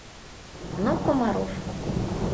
— Ну, Комаров!..